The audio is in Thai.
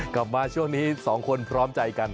กลับมาช่วงนี้สองคนพร้อมใจกัน